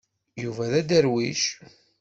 Yuba d aderwic.